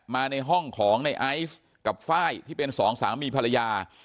มาในห้องของในไอซ์กับไฟล์ที่เป็นสองสามีภรรยา